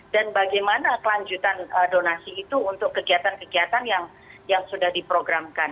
dan bagaimana kelanjutan donasi itu untuk kegiatan kegiatan yang sudah diprogramkan